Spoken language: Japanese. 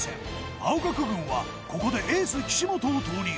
青学軍はここでエース・岸本を投入